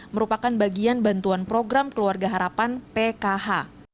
merupakan bagian bantuan program keluarga harapan pkh